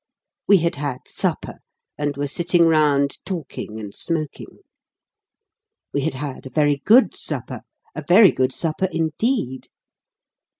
We had had supper, and were sitting round, talking and smoking. We had had a very good supper a very good supper, indeed.